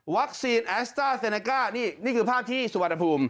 แอสต้าเซเนก้านี่นี่คือภาพที่สุวรรณภูมิ